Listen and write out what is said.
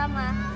udah makan makan